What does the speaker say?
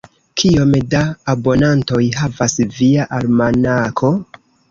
Kiom da abonantoj havas via almanako?